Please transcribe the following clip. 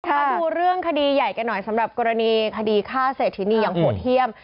มาดูเรื่องคดีใหญ่กันหน่อยสำหรับกรณีคดีฆ่าเศรษฐินีอย่างโหดเยี่ยม